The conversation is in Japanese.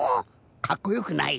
かっこよくない？